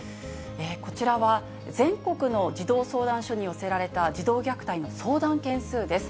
こちらは全国の児童相談所に寄せられた児童虐待の相談件数です。